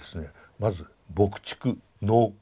まず牧畜農耕